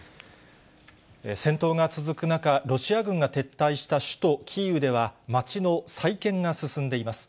戦闘が続く中、ロシア軍が撤退した首都キーウでは、街の再建が進んでいます。